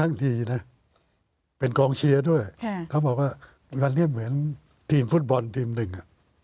บางทีนะเป็นกองเชียร์ด้วยเขาบอกว่าวันนี้เหมือนทีมฟุตบอลทีมหนึ่งอ่ะ